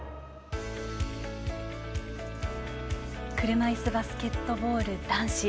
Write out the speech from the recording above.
車いすバスケットボール男子